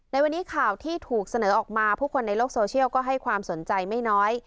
ในวันนี้ข่าวที่ถูกเสนอออกมาผู้คนในโลกโซเชียลก็ให้ความสนใจไม่น้อย